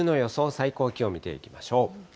最高気温、見ていきましょう。